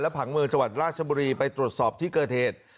และผังมือราชมุรีไปตรวจสอบที่เกิร์ตเหตุ